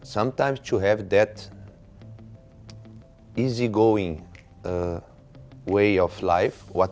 ส่วนที่มันเป็นสิ่งที่ง่ายในชีวิต